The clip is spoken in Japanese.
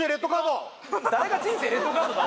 誰が人生レッドカードだ